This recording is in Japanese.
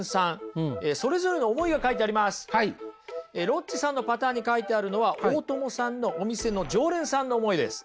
ロッチさんのパターンに書いてあるのは大友さんのお店の常連さんの思いです。